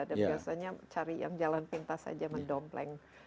dan biasanya cari yang jalan pintas aja mendompleng